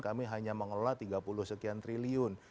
kami hanya mengelola tiga puluh sekian triliun